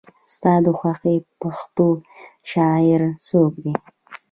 ستا د خوښې پښتو شاعر څوک دی؟